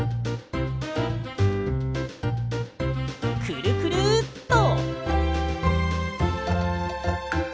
くるくるっと。